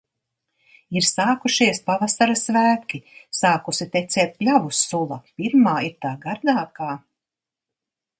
Ir sākušies pavasara svētki - sākusi tecēt kļavu sula! Pirmā ir tā gardākā!